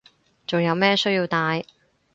仲有咩需要戴